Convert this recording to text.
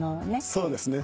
そうですね。